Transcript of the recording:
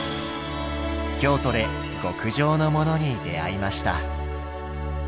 京都で極上のモノに出会いました。